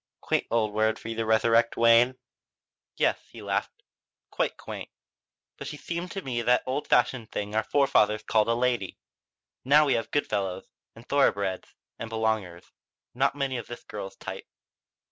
Quaint old word for you to resurrect, Wayne." "Yes," he laughed, "quite quaint. But she seems to me just that old fashioned thing our forefathers called a lady. Now we have good fellows, and thoroughbreds, and belongers. Not many of this girl's type."